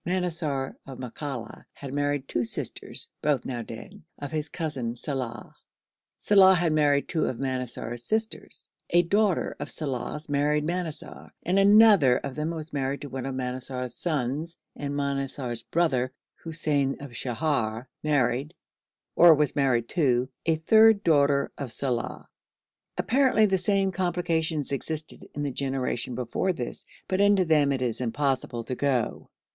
Manassar of Makalla had married two sisters (both now dead) of his cousin Salàh. Salàh had married two of Manassar's sisters. A daughter of Salàh's married Manassar, and another of them was married to one of Manassar's sons, and Manassar's brother Hussein of Sheher married, or was married to, a third daughter of Salàh. Apparently the same complications existed in the generation before this, but into them it is impossible to go.